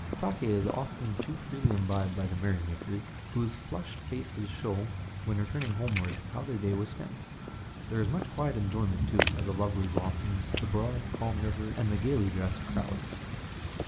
Saké is often too freely imbibed by the merrymakers, whose flushed faces show, when returning homeward, how their day was spent. There is much quiet enjoyment, too, of the lovely blossoms, the broad, calm river, and the gayly dressed crowds.